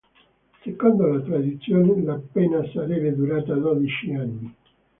Secondo la tradizione, la pena sarebbe durata dodici anni.